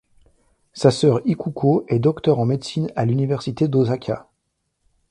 Sa sœur Ikuko est docteur en médecine à l'université d'Osaka.